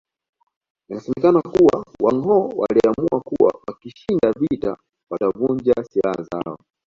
Inasemekana kuwa Wanghoo waliamua kuwa wakishinda vita watavunja silaha zao